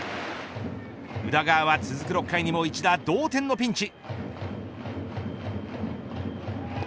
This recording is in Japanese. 宇田川は続く６回にも一打同点のピンチ。